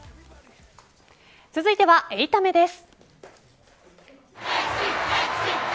続いては８タメです。